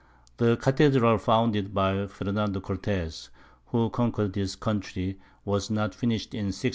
The Cathedral founded by Fernando Cortez, who conquer'd this Country, was not finished in 1697.